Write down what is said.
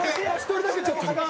１人だけちょっと。